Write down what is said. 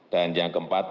dan yang keempat